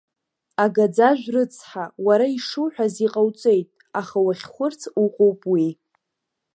Агаӡажә рыцҳа, уара ишуҳәаз иҟауҵеит, аха уахьхәырц уҟоуп уи!